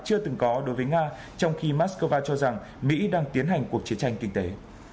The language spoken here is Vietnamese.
chưa từng có đối với nga trong khi moscow cho rằng mỹ đang tiến hành cuộc chiến tranh kinh tế